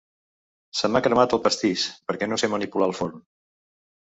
Se m'ha cremat el pastís perquè no sé manipular el forn.